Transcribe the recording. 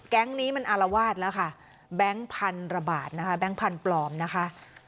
แก๊งนี้มันอารวาสแล้วค่ะแบงค์พันระบาดนะคะแบงค์พันธุ์ปลอมนะคะ